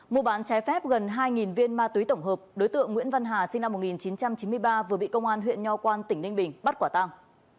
mua bán trái phép gần hai viên ma túy tổng hợp đối tượng nguyễn văn hà sinh năm một nghìn chín trăm chín mươi ba vừa bị công an huyện nho quan tỉnh ninh bình bắt quả tăng